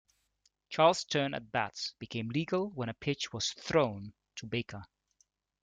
Charles's turn at bat became legal when a pitch was thrown to Baker.